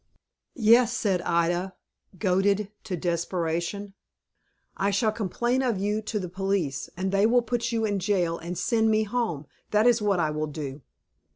"Yes," said Ida, goaded to desperation; "I shall complain of you to the police, and they will put you in jail, and send me home. That is what I will do."